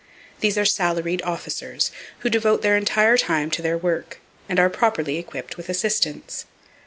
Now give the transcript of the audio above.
These are salaried officers, who devote their entire time to their work, and are properly equipped with assistants.